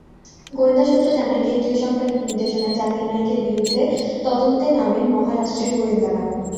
গোয়েন্দা সূত্র জানায়, কেন্দ্রীয় সরকারের নির্দেশনায় জাকির নায়েকের বিরুদ্ধে তদন্তে নামেন মহারাষ্ট্রের গোয়েন্দারা।